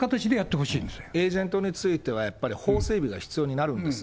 エージェントについては、やっぱり法整備が必要になるんです。